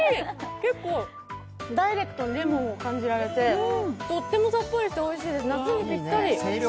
結構ダイレクトにレモンを感じられてとってもさっぱりしておいしいです、夏にぴったり。